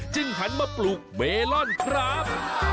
หันมาปลูกเมลอนครับ